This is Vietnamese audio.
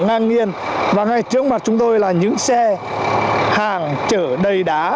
và ngang nghiền và ngay trước mặt chúng tôi là những xe hàng chở đầy đá